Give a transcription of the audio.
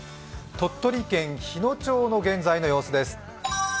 鳥取県日野町の現在の様子です。